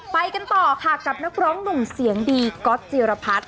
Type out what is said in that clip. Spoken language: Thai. ไปกันต่อค่ะกับนักร้องหนุ่มเสียงดีก๊อตจิรพัฒน์